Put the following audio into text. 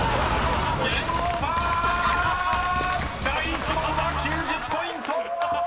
［第１問は９０ポイント！］